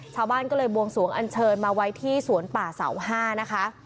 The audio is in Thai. ชาวบ้านก็เลยบวงสวงอันเชิญมาไว้ที่สวนป่าเสาห้านะคะ